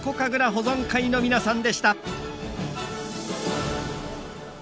保存会の皆さんでした。